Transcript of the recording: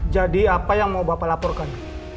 jadi apa yang mau bapak laporkan